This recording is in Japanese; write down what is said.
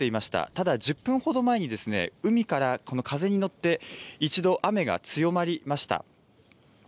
ただ、１０分ほど前に海からこの風に乗って、一度、雨が強まりました。